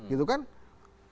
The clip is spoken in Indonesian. nah ini kemudian ditangkap oleh